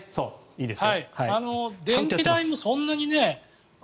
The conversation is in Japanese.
電気代もそんなにね